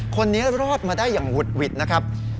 คนนี้รอดมาได้อย่างหุดหวิดนะครับ